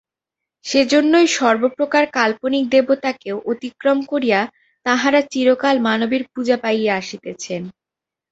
সেই জন্যই সর্বপ্রকার কাল্পনিক দেবতাকেও অতিক্রম করিয়া তাঁহারা চিরকাল মানবের পূজা পাইয়া আসিতেছেন।